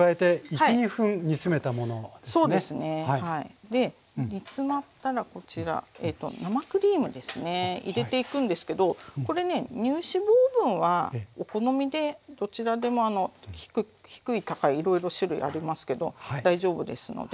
これで煮詰まったらこちら生クリームですね入れていくんですけどこれね乳脂肪分はお好みでどちらでも低い高いいろいろ種類ありますけど大丈夫ですので。